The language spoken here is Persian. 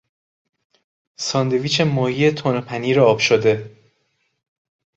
ساندویچ ماهی تون و پنیر آب شده